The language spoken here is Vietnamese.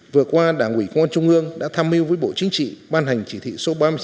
vừa qua đảng ủy công an trung ương đã tham mưu với bộ chính trị ban hành chỉ thị số ba mươi sáu